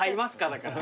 だから。